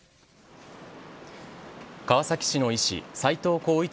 川崎市の医師、斎藤浩一